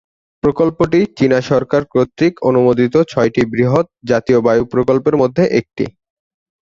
প্রকল্পটি চীনা সরকার কর্তৃক অনুমোদিত ছয়টি বৃহৎ জাতীয় বায়ু প্রকল্পের মধ্যে একটি।